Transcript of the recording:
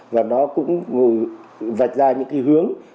và nó cũng vạch ra những hướng